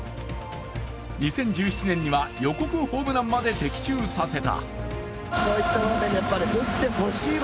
２０１７年には予告ホームランまで的中させた。